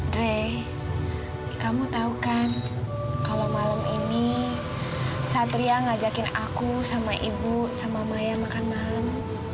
dray kamu tahu kan kalau malam ini satria ngajakin aku sama ibu sama maya makan malam